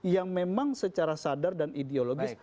yang memang secara sadar dan ideologis